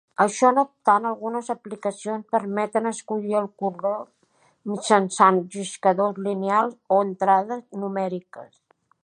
Això no obstant, algunes aplicacions permeten escollir el color mitjançant lliscadors lineals o entrades numèriques.